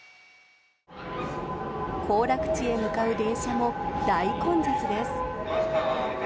行楽地へ向かう電車も大混雑です。